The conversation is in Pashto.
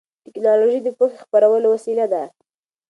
ټیکنالوژي د پوهې خپرولو وسیله ده.